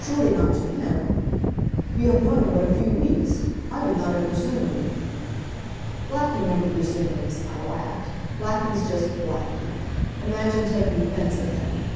"Surely not to him. You have known him but a few weeks. I would not have presumed " "Blackie never presumes," I laughed. "Blackie's just Blackie. Imagine taking offense at him!